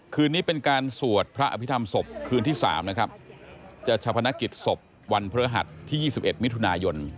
คืนนี้เป็นการสวดพระอภิษฐรรมศพคืนที่๓นะครับจะชะพนักกิจศพวันพฤหัสที่๒๑มิถุนายน